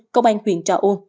công an huyện trà ôn